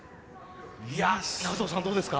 長藤さんどうですか？